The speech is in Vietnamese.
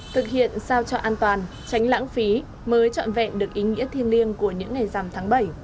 thực hiện sao cho an toàn tránh lãng phí mới trọn vẹn được ý nghĩa thiên liêng của những ngày rằm tháng bảy